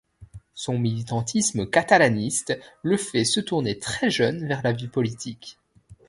Son militantisme catalaniste le fait se tourner très jeune vers la vie politique.